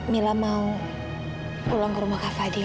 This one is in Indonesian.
mila mau pulang ke rumah kak fadil